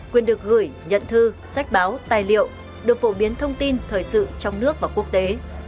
quyền được gửi nhận thư sách báo tài liệu được phổ biến thông tin thời sự trong nước và quốc tế